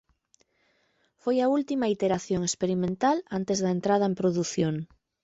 Foi a última iteración experimental antes da entrada en produción.